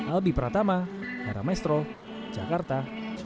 albi pratama baramaestro jakarta